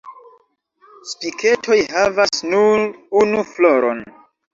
Spiketoj havas nur unu floron.